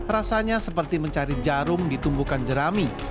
rasanya seperti mencari jarum di tumbukan jerami